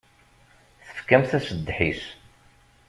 Tefkamt-as ddḥis.